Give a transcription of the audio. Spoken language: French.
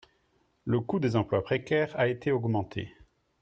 Le coût des emplois précaires a été augmenté.